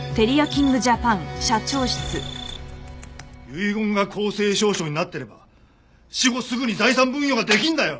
遺言が公正証書になってれば死後すぐに財産分与ができるんだよ！